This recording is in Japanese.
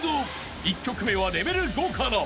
［１曲目はレベル５から］